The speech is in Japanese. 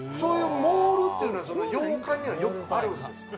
モールっていうのは洋館にはよくあるんですか？